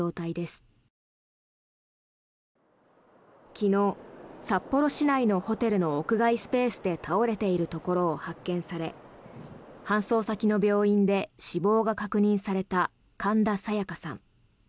昨日、札幌市内のホテルの屋外スペースで倒れているところを発見され搬送先の病院で死亡が確認された神田沙也加さん。